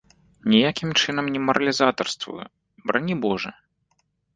Ніякім чынам не маралізатарствую, барані божа.